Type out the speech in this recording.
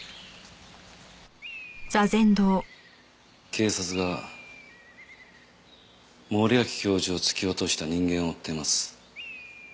警察が森脇教授を突き落とした人間を追っています。